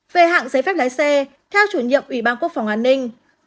về hạng giấy phép lái xe theo chủ nhiệm ủy ban quốc phòng an ninh